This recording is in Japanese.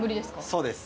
そうです。